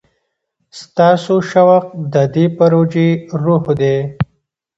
ستاسو شوق د دې پروژې روح دی.